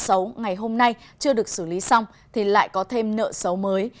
xấu ngày hôm nay chưa được xử lý xong thì lại có thêm nợ xấu mới